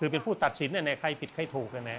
คือเป็นผู้ตัดสินใครผิดใครถูก